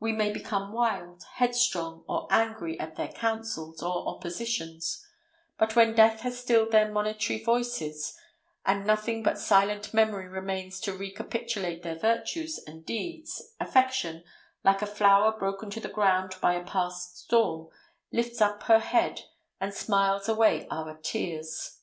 We may become wild, headstrong, or angry at their counsels or oppositions; but when death has stilled their monitory voices, and nothing but silent memory remains to recapitulate their virtues and deeds, affection, like a flower broken to the ground by a past storm, lifts up her head and smiles away our tears.